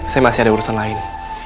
saya masih ada urusan lain